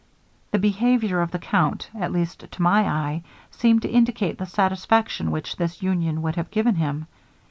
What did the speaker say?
The behaviour of the count, at least to my eye, seemed to indicate the satisfaction which this union would have given him.